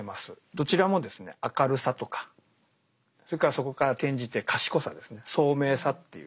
どちらもですね「明るさ」とかそれからそこから転じて「賢さ」ですね「聡明さ」っていう。